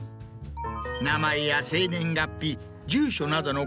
名前や生年月日住所などの。